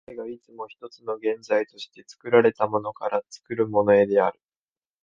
世界がいつも一つの現在として、作られたものから作るものへである。